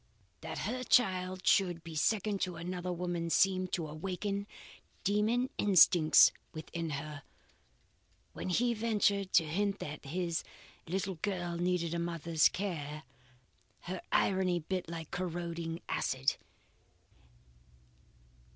That her child should be second to another woman's seemed to awaken demon instincts within her. When he ventured to hint that his little girl needed a mother's care, her irony bit like corroding acid.